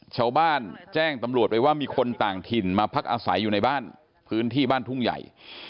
แจ้งตำรวจไปว่ามีคนต่างถิ่นมาพักอาศัยอยู่ในบ้านพื้นที่บ้านทุ่งใหญ่